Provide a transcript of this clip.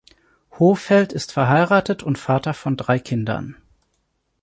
Hohlfeld ist verheiratet und Vater von drei Kindern.